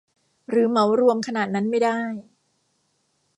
หรือเหมารวมขนาดนั้นไม่ได้